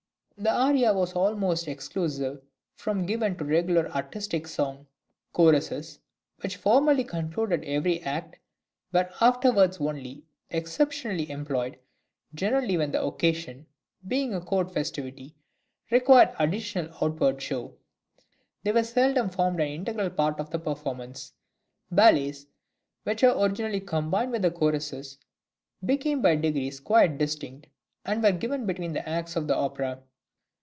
The aria was the almost exclusive form given to regular artistic song. Choruses, which formerly concluded every act, were afterwards only exceptionally employed, generally when the occasion, being a court festivity, required additional outward show; they very seldom formed an integral part of the performance. Ballets, which were originally combined with the choruses, became by degrees quite distinct, and were given between the acts of the opera.